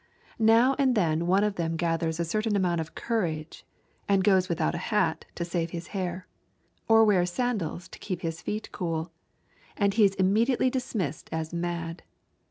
Now and then one of them gathers a certain amount of courage and goes without a hat to save his hair, or wears sandals to keep his feet cool, and he is immediately dismissed as mad.